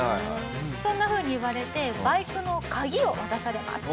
そんなふうに言われてバイクの鍵を渡されます。